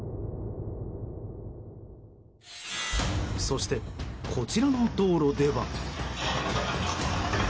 そして、こちらの道路では。